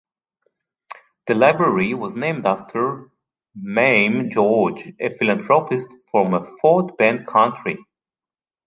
The library was named after Mamie George, a philanthropist from Fort Bend County.